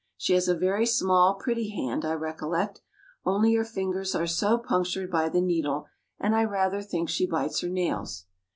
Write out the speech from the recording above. She has a very small, pretty hand, I recollect; only her fingers are so punctured by the needle and I rather think she bites her nails.